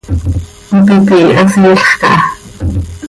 Hipi pihiiha, siilx caha.